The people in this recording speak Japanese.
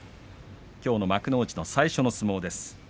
きょうの幕内最初の相撲です。